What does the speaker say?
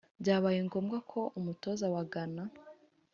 Byabaye ngombwa ko umutoza wa Ghana